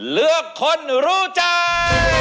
เลือกคนรู้ใจ